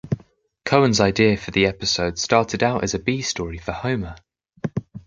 Cohen's idea for the episode started out as a B story for Homer.